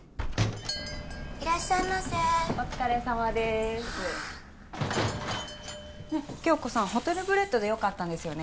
いらっしゃいませお疲れさまでーす恭子さんホテルブレッドでよかったんですよね？